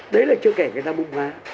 đấy là chưa kể người ta bùng ra